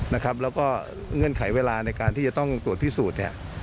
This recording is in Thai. นะครับแล้วก็เงื่อนไขเวลาในการที่จะต้องตรวจพิสูจน์